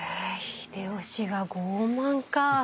秀吉が傲慢かあ。